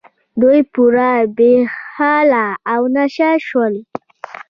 دوی پوره بې حاله او نشه شول.